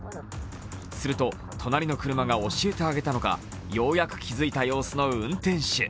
すると、隣の車が教えてあげたのかようやく気付いた様子の運転手。